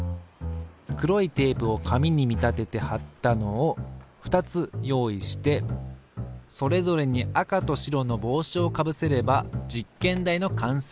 黒いテープをかみに見立ててはったのを２つ用意してそれぞれに赤と白の帽子をかぶせれば実験台の完成。